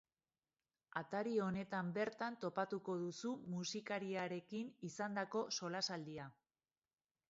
Atari honetan bertan topatuko duzu musikariarekin izandako solasaldia.